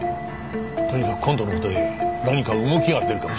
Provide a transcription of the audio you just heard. とにかく今度の事で何か動きが出るかもしれない。